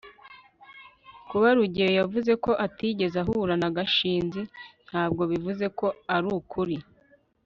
kuba rugeyo yavuze ko atigeze ahura na gashinzi ntabwo bivuze ko arukuri